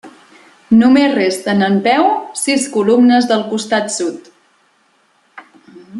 Només resten en peu sis columnes del costat sud.